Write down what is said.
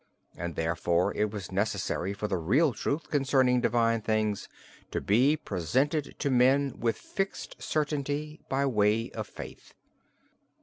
And therefore it was necessary for the real truth concerning divine things to be presented to men with fixed certainty by way of faith.